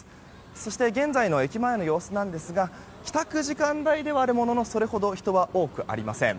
そして現在の駅前の時間帯ですが帰宅時間帯ではあるもののそれほど人は多くありません。